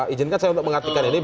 izinkan saya untuk mengartikan ini